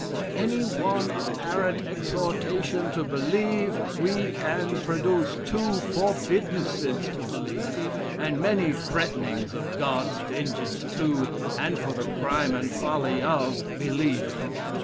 For any one apparent exhortation to believe, we can produce two forbiddances to believe, and many threaten ings of God's vengeance to, and for the crime and folly of, believing.